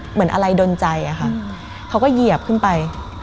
เหมือนอะไรดนใจอะค่ะเขาก็เหยียบขึ้นไป